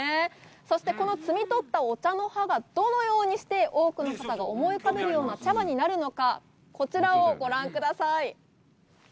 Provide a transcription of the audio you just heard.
そして、この摘み取ったお茶の葉が、どのようにして、多くの方が思い浮かべるような茶葉になるのか、こちらをご覧ください。